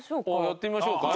やってみましょうか。